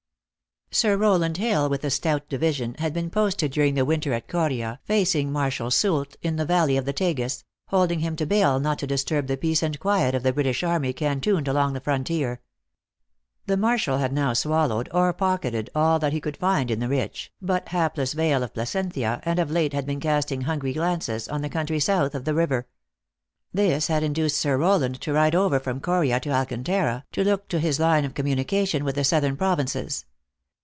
SIR HOWLAND HILL, with a stout division, liad been posted during the winter at Coria, facing Marshal Soult in the valley of the Tagus holding him to hail not to disturb the peace and quiet of the British army cantoned along the frontier. The Marshal had now swallowed or pocketed all that he could find in the rich, but hapless vale of Plasencia, and of late had been casting hungry glances on the country south of the river. This had induced Sir Rowland to ride over from Coria to Alcantara, to look, to his line of communication with the southern provinces.